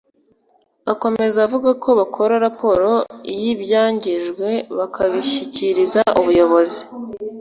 Akomeza avuga ko bakora raporo y’ibyangijwe bakabishyikiriza ubuyobozi